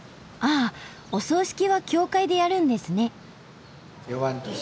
お葬式は教会でやるんですね。